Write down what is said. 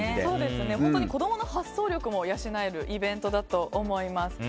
本当に子どもの発想力も養えるイベントだと思います。